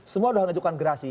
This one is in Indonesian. semua sudah mengajukan gerasi